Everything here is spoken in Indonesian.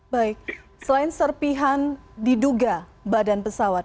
baik selain serpihan diduga badan pesawat